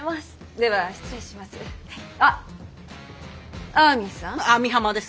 では失礼します。